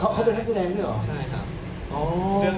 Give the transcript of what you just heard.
เขาเขาเป็อนักยีแดงดิเหรอใช่ครับอ๋อ